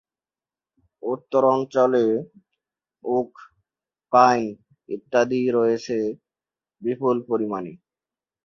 উত্তরাঞ্চলে oak, pine ইত্যাদি রয়েছে বিপুল পরিমাণে।